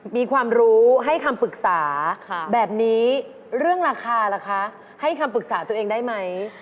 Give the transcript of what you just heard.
มีความรู้ให้คำปรึกษาแบบนี้เรื่องราคาล่ะคะให้คำปรึกษาตัวเองได้ไหม